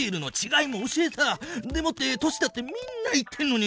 でもって年だってみんな言ってんのに。